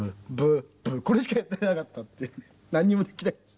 これしかやってなかったってなんにもできないです。